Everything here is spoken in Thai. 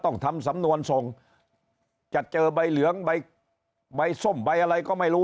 ต้องทำสำนวนส่งจะเจอใบเหลืองใบส้มใบอะไรก็ไม่รู้